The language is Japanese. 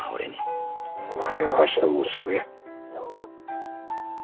お前はわしの息子や。